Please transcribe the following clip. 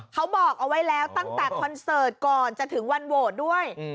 เขาบอกเอาไว้แล้วตั้งแต่คอนเสิร์ตก่อนจะถึงวันโหวตด้วย